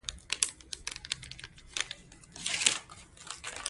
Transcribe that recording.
ازادي راډیو د ټرافیکي ستونزې حالت په ډاګه کړی.